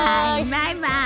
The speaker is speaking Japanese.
バイバイ！